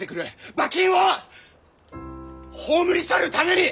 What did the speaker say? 馬琴を葬り去るために！